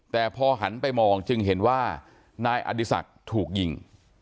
แต่พอหันไปมองจึงเห็นว่านายอดีศักดิ์ถูกยิง